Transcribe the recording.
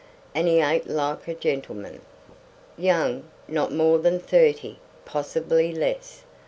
And he ate like a gentleman. Young, not more than thirty; possibly less.